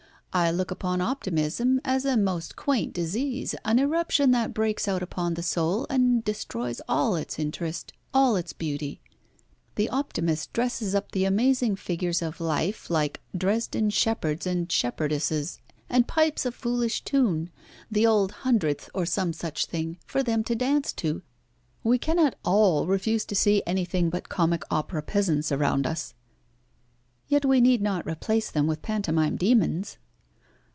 I look upon optimism as a most quaint disease, an eruption that breaks out upon the soul, and destroys all its interest, all its beauty. The optimist dresses up the amazing figures of life like Dresden shepherds and shepherdesses, and pipes a foolish tune the Old Hundredth or some such thing for them to dance to. We cannot all refuse to see anything but comic opera peasants around us." "Yet we need not replace them with pantomime demons."